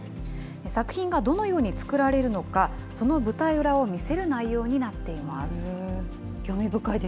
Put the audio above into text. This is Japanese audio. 作品がどのように作られるのか、その舞台裏を見せる内容になっています。